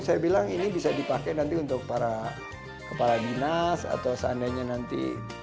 saya bilang ini bisa dipakai nanti untuk para kepala dinas atau seandainya nanti